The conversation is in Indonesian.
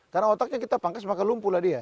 karena otaknya kita pangkas maka lumpuh lah dia